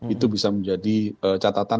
itu bisa menjadi catatan